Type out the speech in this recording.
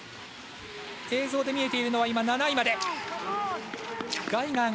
映像で見えているのはいま７位まで。